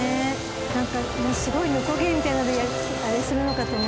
なんかすごいノコギリみたいなのであれするのかと思ってた。